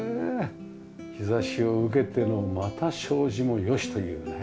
日差しを受けてのまた障子も良しというね。